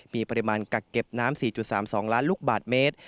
มีปริมาณกักเก็บน้ำ๔๓๒ล้านลูกบาทเมตร